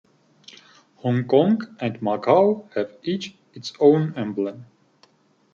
Hong Kong and Macao have each its own emblem.